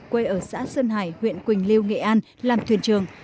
quê ở xã sơn hải huyện quỳnh lưu nghệ an làm thuyền trường